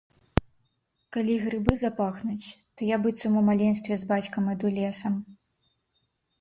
Калі грыбы запахнуць, то я быццам у маленстве з бацькам іду лесам.